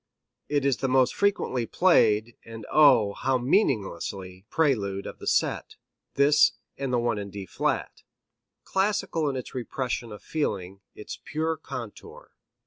It is the most frequently played and oh! how meaninglessly prelude of the set; this and the one in D flat. Classical is its repression of feeling, its pure contour.